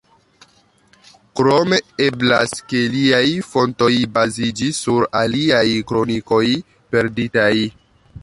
Krome, eblas ke liaj fontoj baziĝis sur aliaj kronikoj perditaj.